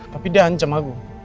tapi dia ancam aku